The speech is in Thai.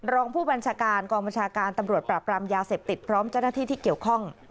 รองผู้บัญชาการกองบัญชาการตำรวจปราบรามยาเสพติดพร้อมเจ้าหน้าที่ที่เกี่ยวข้อง